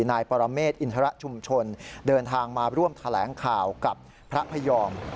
นายปรเมฆอินทรชุมชนเดินทางมาร่วมแถลงข่าวกับพระพยอม